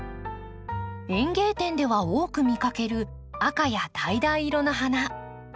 園芸店では多く見かける赤やだいだい色の花。